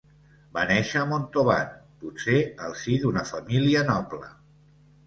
Va néixer a Montauban, potser al si d'una família noble.